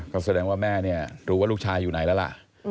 ก็แสดงว่าแม่เนี่ยรู้ว่าลูกชายอยู่ไหนแล้วล่ะ